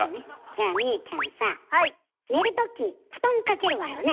じゃあ望結ちゃんさ寝るとき布団かけるわよね。